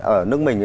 ở nước mình